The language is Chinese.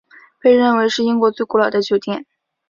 被认为是英国最古老的酒店。